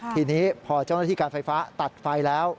ทีนี้พอเจ้าหน้าที่การไฟฟ้าตัดไฟแล้ว